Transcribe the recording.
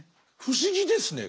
不思議ですね。